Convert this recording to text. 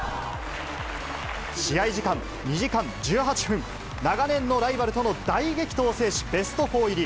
試合時間２時間１８分、長年のライバルとの大激闘を制し、ベスト４入り。